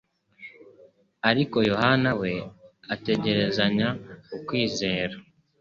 Ariko Yohana we ategerezanya ukwizera,